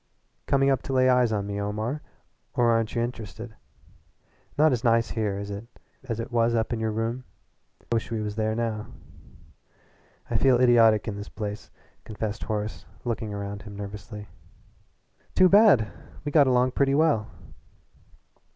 "Coming up to lay eyes on me, Omar, or aren't you int'rested? Not as nice here, is it, as it was up in your room? I wish we was there now." "I feel idiotic in this place," confessed Horace, looking round him nervously. "Too bad! We got along pretty well."